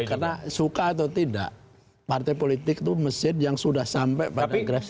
karena suka atau tidak partai politik itu mesin yang sudah sampai pada grassroot